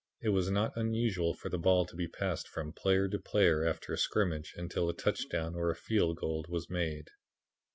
It was not unusual for the ball to be passed from player to player after a scrimmage until a touchdown or a field goal was made.